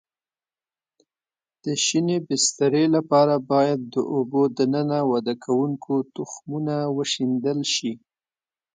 د شینې بسترې لپاره باید د اوبو دننه وده کوونکو تخمونه وشیندل شي.